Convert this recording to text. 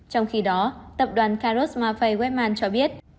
trong khi đó tập đoàn karosmafei westman cho biết